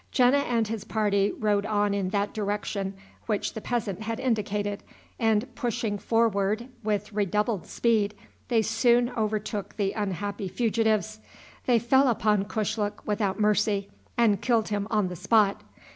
Jena and his party rode on in the direction which the peasant had indicated, and, pushing forward with redoubled speed, they soon overtook the unhappy fugitives. They fell upon Kushluk without mercy, and killed him on the spot.